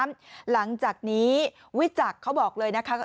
หลังจากนี้วิจักษ์เขาบอกเลยนะคะ